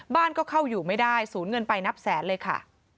บ้านก็เข้าอยู่ไม่ได้สูญเงินไปนับแสนเลยค่ะ